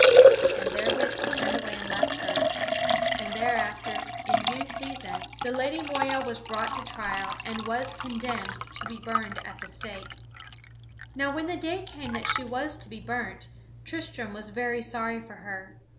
And therewith he turned away and left her. And thereafter, in due season, the Lady Moeya was brought to trial and was condemned to be burned at the stake. [Sidenote: Tristram begs mercy for the Queen] Now when the day came that she was to be burnt, Tristram was very sorry for her.